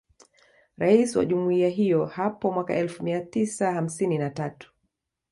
Rais wa Jumuiya hiyo hapo mwaka elfu mia tisa hamsini na tatu